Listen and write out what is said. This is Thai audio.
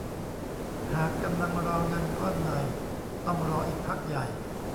หากกำลังรอเงินก้อนใดต้องรออีกพักใหญ่